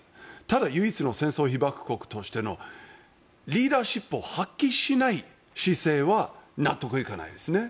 ただ、唯一の戦争被爆国としてのリーダーシップを発揮しない姿勢は納得いかないですね。